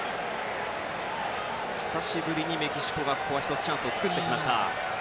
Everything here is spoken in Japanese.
久しぶりにメキシコが１つチャンスを作ってきました。